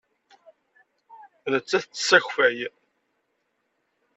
Nettat tettess akeffay.